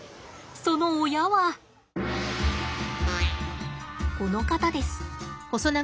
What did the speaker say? その親はこの方です。